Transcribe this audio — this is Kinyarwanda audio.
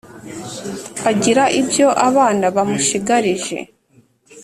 . Agira ibyo abana bamushigarije